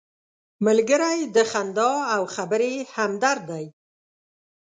ملګری د خندا او خبرې همدرد دی